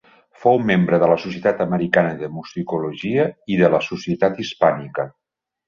Fou membre de la Societat Americana de Musicologia i de la Societat Hispànica.